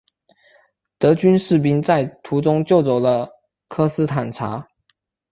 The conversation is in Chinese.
德军士兵在途中救走了科斯坦察。